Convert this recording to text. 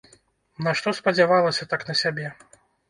Нашто спадзявалася так на сябе!